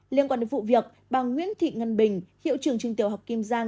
liên quan đến vụ việc bà nguyễn thị ngân bình hiệu trường trường tiểu học kim giang